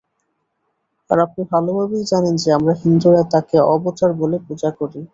আর আপনি ভালভাবেই জানেন যে, আমরা হিন্দুরা তাঁকে অবতার বলে পূজা করি।